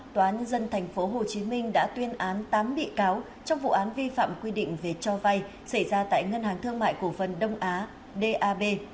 tòa án dân thành phố hồ chí minh đã tuyên án tám bị cáo trong vụ án vi phạm quy định về cho vay xảy ra tại ngân hàng thương mại cổ vân đông á d a b